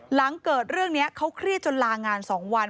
หลังเกิดเรื่องนี้เขาเครียดจนลางาน๒วัน